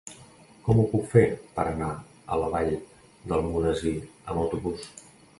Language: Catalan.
Com ho puc fer per anar a la Vall d'Almonesir amb autobús?